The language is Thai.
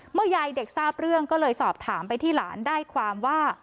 ยายเด็กทราบเรื่องก็เลยสอบถามไปที่หลานได้ความว่า